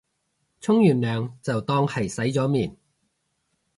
沖完涼就當係洗咗面